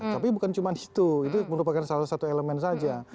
tapi bukan cuma di situ itu merupakan salah satu elemen saja